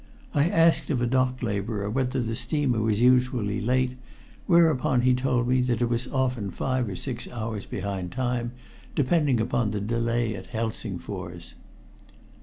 I asked of a dock laborer whether the steamer was usually late, whereupon he told me that it was often five or six hours behind time, depending upon the delay at Helsingfors.